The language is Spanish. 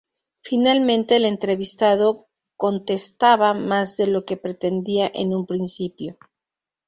Finalmente el entrevistado contestaba más de lo que pretendía en un principio.